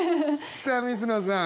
さあ水野さん。